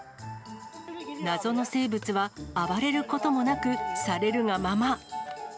謎の生物は暴れることもなくされるがまま。